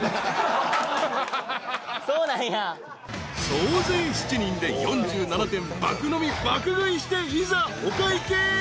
［総勢７人で４７点爆飲み爆食いしていざお会計］